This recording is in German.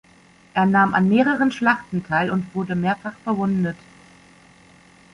Er nahm an mehreren Schlachten teil und wurde mehrfach verwundet.